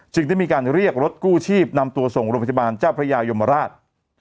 ได้มีการเรียกรถกู้ชีพนำตัวส่งโรงพยาบาลเจ้าพระยายมราช